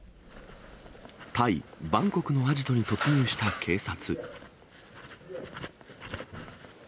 タイ・バンコクのアジトに突入した警察。